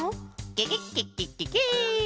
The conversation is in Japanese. ケケッケッケッケケ！